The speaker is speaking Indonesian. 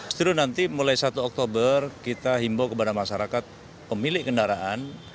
setelah nanti mulai satu oktober kita himbau kepada masyarakat pemilik kendaraan